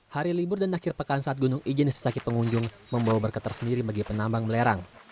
hari libur dan akhir pekan saat gunung ijen sesakit pengunjung membawa berketer sendiri bagi penambang melerang